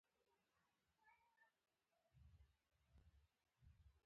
عصري تعلیم مهم دی ځکه چې د کلاؤډ کمپیوټینګ ښيي.